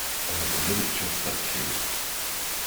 I have a miniature statue.